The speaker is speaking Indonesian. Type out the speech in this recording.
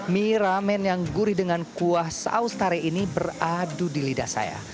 mie ramen yang gurih dengan kuah saus tare ini beradu di lidah saya